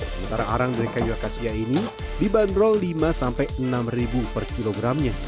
sementara arang dari kayu akasia ini dibanderol lima enam ribu per kilogramnya